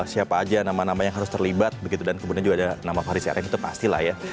siapa aja nama nama yang harus terlibat dan kemudian juga ada nama faris rm itu pasti lah ya